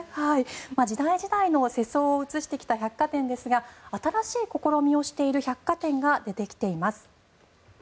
時代時代の世相を映してきた百貨店ですが新しい試みをしている百貨店が出てきています。